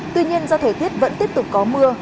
tuy nhiên do thể thiết vẫn tiếp tục có mưa